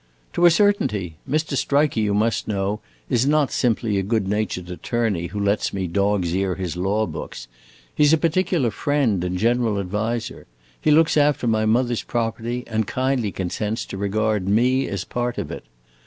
"To a certainty! Mr. Striker, you must know, is not simply a good natured attorney, who lets me dog's ear his law books. He's a particular friend and general adviser. He looks after my mother's property and kindly consents to regard me as part of it.